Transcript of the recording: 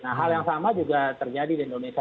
nah hal yang sama juga terjadi di indonesia